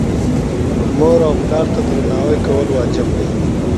مور او پلار ته درناوی کول واجب دي.